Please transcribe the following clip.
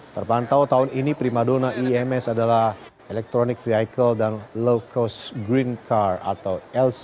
terpantau tahun ini primadona ims adalah electronic vehicle dan low cost green car atau lc